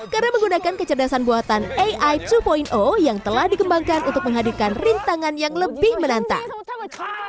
karena menggunakan kecerdasan buatan ai dua yang telah dikembangkan untuk menghadirkan rintangan yang lebih menantang